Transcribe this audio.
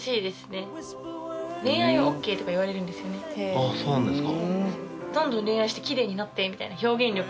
ああそうなんですか。